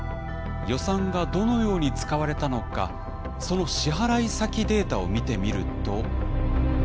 予算がどのように使われたのかその支払い先データを見てみると。